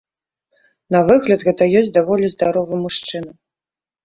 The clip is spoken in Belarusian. На выгляд гэта ёсць даволі здаровы мужчына.